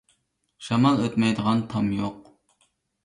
شامال ئۆتمەيدىغان تام يوق.